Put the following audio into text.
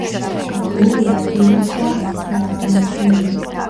აქტიურია დილით და საღამოთი.